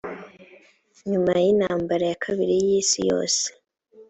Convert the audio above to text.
nyuma y intambara ya kabiri y isi yose